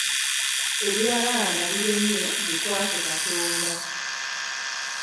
Ebirala nga biremye bikwase Katonda.